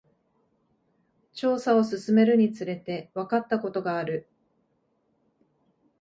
調査を進めるにつれて、わかったことがある。